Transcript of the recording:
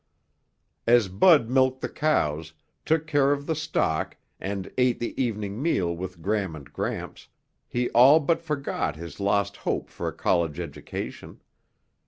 As Bud milked the cows, took care of the stock and ate the evening meal with Gram and Gramps, he all but forgot his lost hope for a college education.